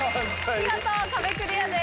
見事壁クリアです。